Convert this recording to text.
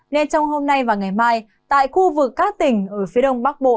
nên trong hôm nay và ngày mai tại khu vực các tỉnh ở phía đông bắc bộ